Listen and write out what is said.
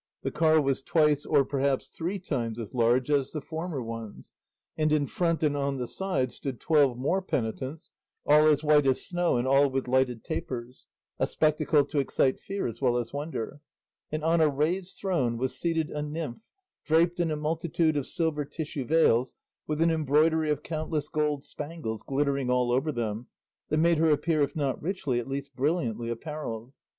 The car was twice or, perhaps, three times as large as the former ones, and in front and on the sides stood twelve more penitents, all as white as snow and all with lighted tapers, a spectacle to excite fear as well as wonder; and on a raised throne was seated a nymph draped in a multitude of silver tissue veils with an embroidery of countless gold spangles glittering all over them, that made her appear, if not richly, at least brilliantly, apparelled.